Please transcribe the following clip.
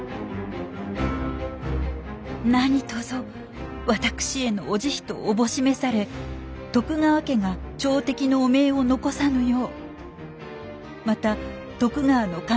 「何とぞわたくしへのお慈悲と思し召され徳川家が朝敵の汚名を残さぬよう」。